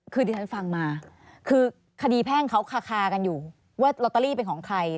คือที่ฉันฟังมาคือคดีแพ่งเขาคากันอยู่ว่าลอตเตอรี่เป็นของใคร